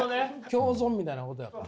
共存みたいなことやから。